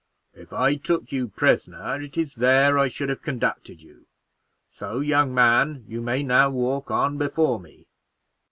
If I took you prisoner, it is there I should have conducted you, so, young man, you may now walk on before me."